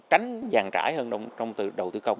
tránh vàng trải hơn trong đầu tư công